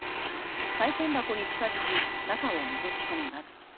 さい銭箱に近付き中をのぞき込みます。